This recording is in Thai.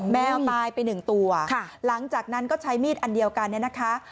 แมวตายไปหนึ่งตัวหลังจากนั้นก็ใช้มีดอันเดียวกันเนี่ยนะคะ